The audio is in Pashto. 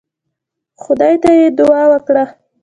خدای ته يې دعا وکړه.